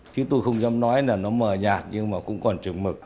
chứ tôi không dám nói là nó mờ nhạt nhưng mà cũng còn trừng mực